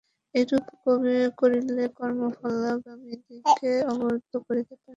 এইরূপ করিলে কর্মফল আমাদিগকে আবদ্ধ করিতে পারিবে না।